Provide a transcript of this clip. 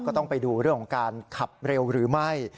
ก็ต้องไปดูเรื่องของการขับเร็วหรือไม่